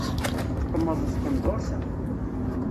Teqmeḍ tqenduṛt-a.